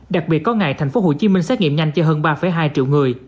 đặc biệt có ngày tp hcm xét nghiệm nhanh cho hơn ba hai triệu người